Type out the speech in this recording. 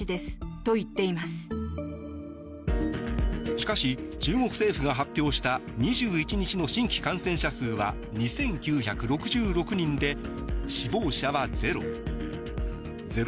しかし、中国政府が発表した２１日の新規感染者数は２９６６人で、死亡者はゼロ。